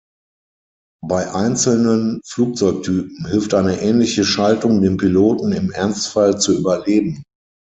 Bei einzelnen Flugzeugtypen hilft eine ähnliche Schaltung dem Piloten, im Ernstfall zu überleben.